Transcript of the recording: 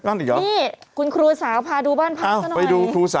นี่คุณครูสาวพาไปดูบ้านพัก